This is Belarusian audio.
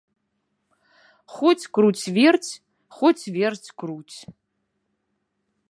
Хоць круць-верць, хоць верць-круць.